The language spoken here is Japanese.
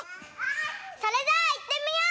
それじゃあいってみよう！